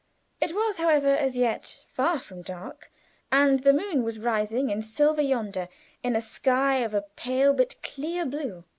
It was, however, as yet far from dark, and the moon was rising in silver yonder, in a sky of a pale but clear blue.